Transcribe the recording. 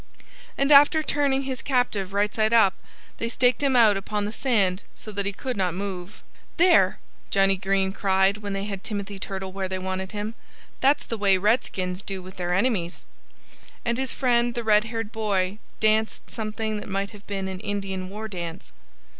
And after turning their captive right side up they staked him out upon the sand so that he could not move. "There!" Johnnie Green cried when they had Timothy Turtle where they wanted him. "That's the way the Redskins do with their enemies." And his friend the red haired boy danced something that might have been an Indian war dance.